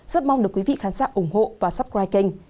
rất mong được quý vị khán giả ủng hộ và subscribe kênh